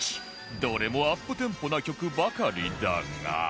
どれもアップテンポな曲ばかりだが